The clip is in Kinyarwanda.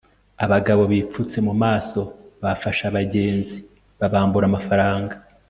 abagabo bipfutse mu maso bafashe abagenzi babambura amafaranga